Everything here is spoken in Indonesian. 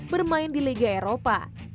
bermain di liga eropa